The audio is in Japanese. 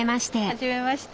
はじめまして。